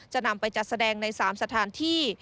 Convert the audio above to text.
จะนำไปจัดแสดงใน๓สถานที่